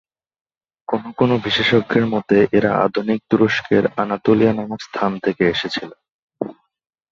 কোন কোন বিশেষজ্ঞের মতে, এরা আধুনিক তুরস্কের আনাতোলিয়া নামক স্থান থেকে এসেছিল।